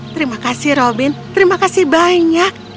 terima kasih robin terima kasih banyak